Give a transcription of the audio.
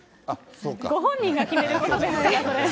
ご本人が決めることですから。